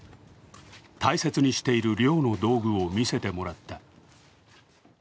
大切にしている漁の道具を見せてもらった。